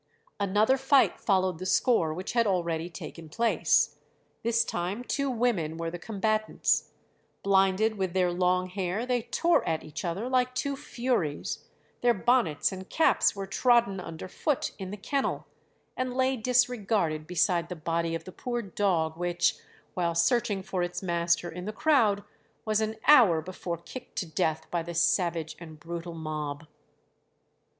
Another fight followed the score which had already taken place; this time two women were the combatants. Blinded with their long hair, they tore at each other like two furies; their bonnets and caps were trodden underfoot in the kennel, and lay disregarded beside the body of the poor dog which, while searching for its master in the crowd, was an hour before kicked to death by the savage and brutal mob.